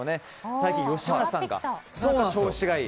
最近、吉村さんが調子がいい。